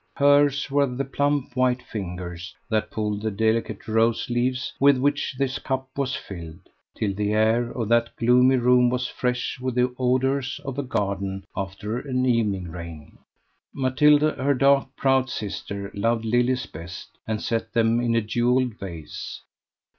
Hers were the plump white fingers that pulled the delicate rose leaves with which this cup was filled, till the air of that gloomy room was fresh with the odours of a garden after evening rain. Mathilde, her dark, proud sister, loved lilies best, and set them in a jewelled vase.